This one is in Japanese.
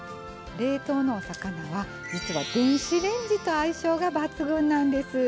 冷凍のお魚は実は電子レンジと相性が抜群なんです。